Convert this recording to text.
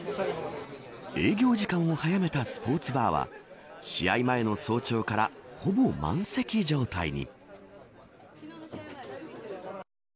営業時間を早めたスポーツバーは試合前の早朝からほぼ満席状態に。